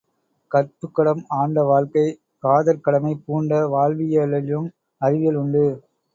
கற்புக்கடம் ஆண்ட வாழ்க்கை காதற் கடமை பூண்ட வாழ்வியலிலும் அறிவியல் உண்டு.